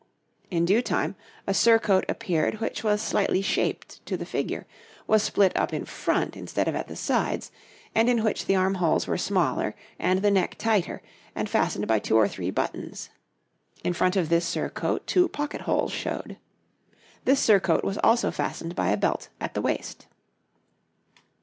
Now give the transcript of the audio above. In due time a surcoat appeared which was slightly shaped to the figure, was split up in front instead of at the sides, and in which the armholes were smaller and the neck tighter, and fastened by two or three buttons. In front of this surcoat two pocket holes showed. This surcoat was also fastened by a belt at the waist.